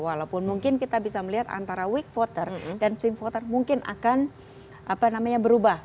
walaupun mungkin kita bisa melihat antara week voter dan swing voter mungkin akan berubah